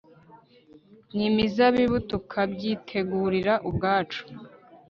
ni mizabibu tukabyitegurira ubwacu